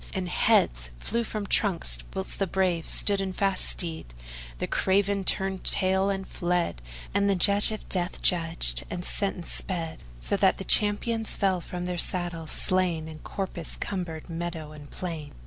And heads flew from trunks whilst the brave stood fast in stead; the craven turned tail and fled; and the Judge of death judged and sentence sped, so that the champions fell from their saddles slain and corpses cumbered meadow and plain.